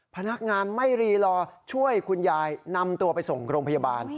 พนักงานไม่รีรอช่วยคุณยายนำตัวไปส่งโรงพยาบาล